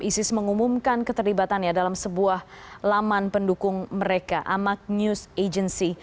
isis mengumumkan keterlibatannya dalam sebuah laman pendukung mereka amak news agency